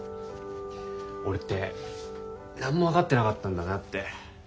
俺って何も分かってなかったんだなって。